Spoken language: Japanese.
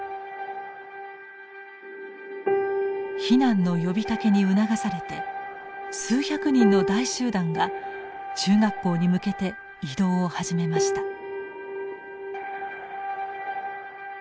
避難の呼びかけに促されて数百人の大集団が中学校に向けて移動を始めました。